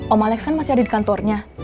om alex kan masih ada di kantornya